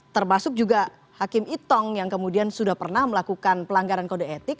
termasuk juga hakim itong yang kemudian sudah pernah melakukan pelanggaran kode etik